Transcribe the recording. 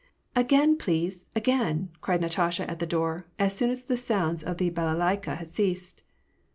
"Again, please, again," cried Natasha at the door, as soon as the sounds of the balalaika had ceased.